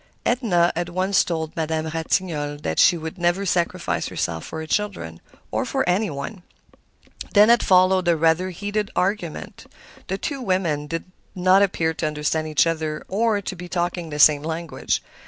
Edna had once told Madame Ratignolle that she would never sacrifice herself for her children, or for any one. Then had followed a rather heated argument; the two women did not appear to understand each other or to be talking the same language.